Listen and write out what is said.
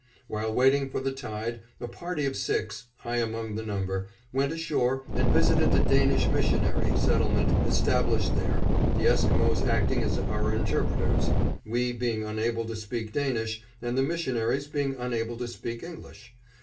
While waiting for the tide, a party of six, I among the number, went ashore and visited the Danish Missionary settlement established there, the Esquimos acting as our interpreters, we being unable to speak Danish and the missionaries being unable to speak English.